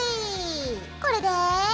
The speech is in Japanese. これで。